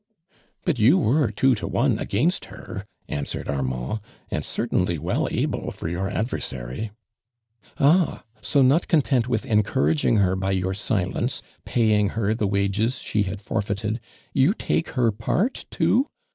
"But you were two to one against her," answered Armand, "and certainly well able for your adversary." "Ah, so not content with encouraging her by your silence — paying her the wages she had forfeited, you tiUce her part, too?"